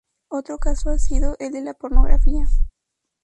Otro caso ha sido el de la pornografía.